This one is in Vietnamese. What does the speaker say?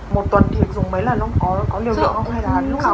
một tuần thì dùng mấy lần không có liều lượng không